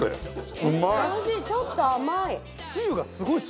だしちょっと甘い！